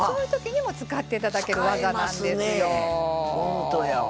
ほんとやわ。